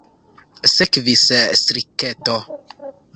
Sekvis striketo.